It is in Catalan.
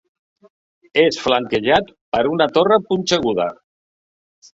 És flanquejat per una torre punxeguda.